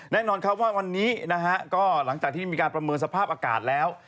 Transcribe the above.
แน่นอนครับว่าวันนี้นะฮะก็หลังจากที่มีการประเมินสภาพอากาศแล้ว